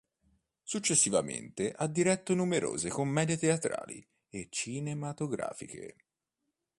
Successivamente ha diretto numerose commedie teatrali e cinematografiche.